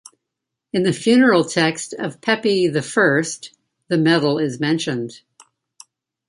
In the funeral text of Pepi the First, the metal is mentioned.